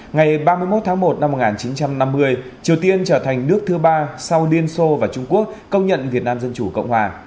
ngày ba mươi một tháng một năm một nghìn chín trăm năm mươi triều tiên trở thành nước thứ ba sau liên xô và trung quốc công nhận việt nam dân chủ cộng hòa